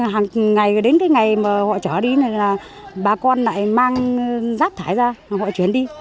hàng ngày đến cái ngày mà họ chở đi này là bà con lại mang rác thải ra mà họ chuyển đi